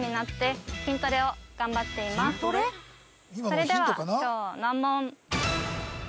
それでは超難問